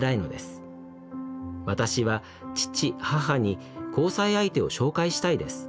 私は父・母に交際相手を紹介したいです。